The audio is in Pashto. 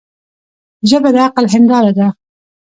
ژبه د عقل هنداره ده